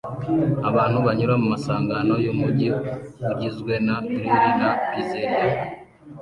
Abantu banyura mu masangano yumujyi ugizwe na grill na pizzeria